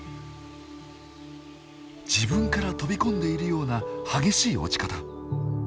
自分から飛び込んでいるような激しい落ち方。